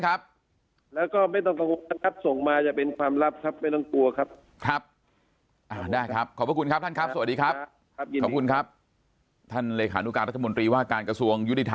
ครับแล้วก็ไม่ต้องต้องส่งมาจะเป็นความลับครับไม่ต้องกลัว